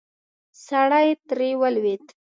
سړی ترې ولوېد.